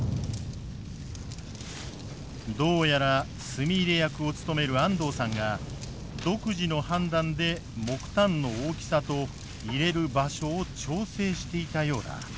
どうやら炭入れ役を務める安藤さんが独自の判断で木炭の大きさと入れる場所を調整していたようだ。